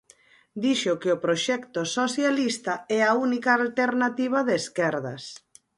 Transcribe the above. Dixo que o proxecto socialista é a única alternativa de esquerdas.